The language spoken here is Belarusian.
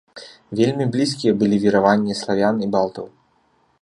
Вельмі блізкія былі вераванні славян і балтаў.